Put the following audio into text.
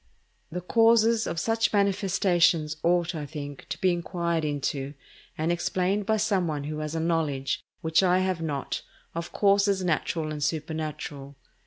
The causes of such manifestations ought, I think, to be inquired into and explained by some one who has a knowledge, which I have not, of causes natural and supernatural.